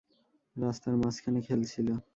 রাস্তার মাঝখানে খেলছিলো।